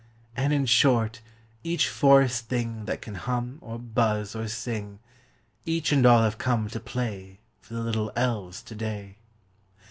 And, in short, each forest thing That can hum, or buzz, or sing, Each and all have come to play For the little elves to day.